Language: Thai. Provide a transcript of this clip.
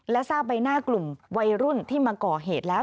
และทราบใบหน้ากลุ่มวัยรุ่นที่มาก่อเหตุแล้ว